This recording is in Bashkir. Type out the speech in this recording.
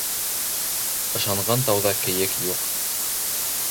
Ышанған тауҙа кейек юҡ.